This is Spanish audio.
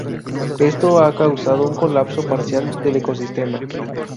Esto ha causado un colapso parcial del ecosistema.